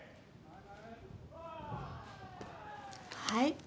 はい